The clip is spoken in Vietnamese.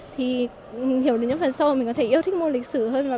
thì hiểu được những phần sâu thì mình có thể yêu thích môn lịch sử hơn